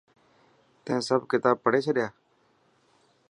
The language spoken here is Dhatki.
تين سڀ ڪتاب پڙهي ڇڏيا؟